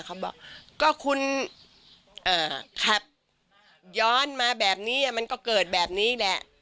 เขาบอกก็คุณขับย้อนมาแบบนี้มันก็เกิดแบบนี้แหละ